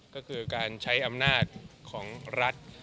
ก็คือการใช้อำนาจของรัฐ